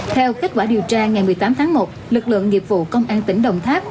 theo kết quả điều tra ngày một mươi tám tháng một lực lượng nghiệp vụ công an tỉnh đồng tháp